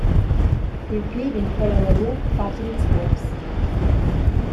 Pil pli vegn quella lavur fatga dils buobs.